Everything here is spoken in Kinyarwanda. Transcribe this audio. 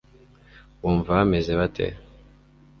bumva bameze bate